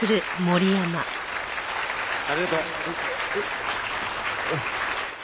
ありがとう。えっ。